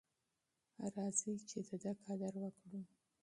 راځئ چې د ده قدر وکړو.